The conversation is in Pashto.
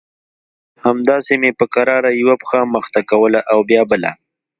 همداسې مې په کراره يوه پښه مخته کوله او بيا بله.